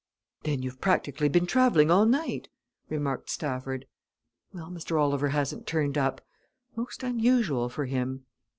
"Then you've practically been travelling all night?" remarked Stafford. "Well, Mr. Oliver hasn't turned up most unusual for him.